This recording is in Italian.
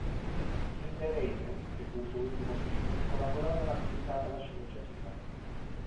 In "The Raven", che fu il suo ultimo film, collaborò non accreditato alla sceneggiatura.